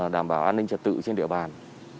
đảm bảo an ninh trật tự trên địa bàn